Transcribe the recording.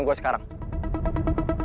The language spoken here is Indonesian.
gue udah dateng